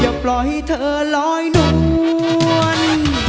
อย่าปล่อยให้เธอล้อยน้วน